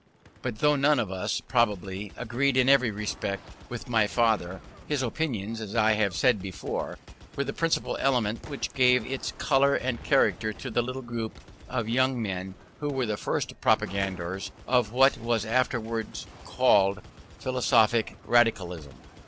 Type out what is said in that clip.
But though none of us, probably, agreed in every respect with my father, his opinions, as I said before, were the principal element which gave its colour and character to the little group of young men who were the first propagators of what was afterwards called "Philosophic Radicalism."